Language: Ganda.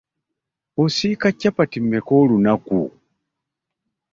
Osiika kyapati mmeka olunnaku?